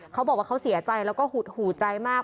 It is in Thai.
เค้าบอกว่าเค้าเสียใจแล้วก็หูใจมาก